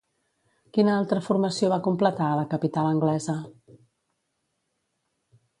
Quina altra formació va completar a la capital anglesa?